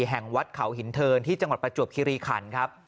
แห่งวัดเขาหินเทินที่จังหวัดประจวบคิริขันครับ